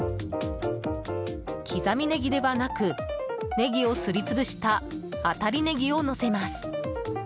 刻みネギではなくネギをすり潰したあたりネギをのせます。